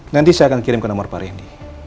nanti saya akan kirim ke nomor pak rendy